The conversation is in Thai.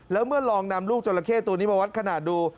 แล้วเมื่อลองนำลูกจราเข้ตัวนี้มาวัดขนาดดู